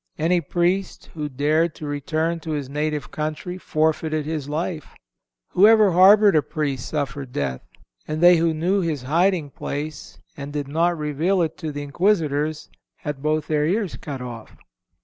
Any Priest who dared to return to his native country forfeited his life. Whoever harbored a Priest suffered death, and they who knew his hiding place and did not reveal it to the Inquisitors had both their ears cut off.